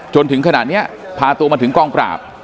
จนถึงขนาดนี้พาตัวมาถึงกองปราบ